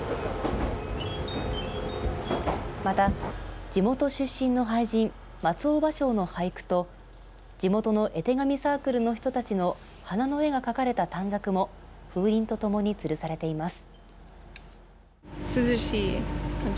また、地元出身の俳人松尾芭蕉の俳句と地元の絵手紙サークルの人たちの花の絵が描かれた短冊も風鈴とともにつるされています。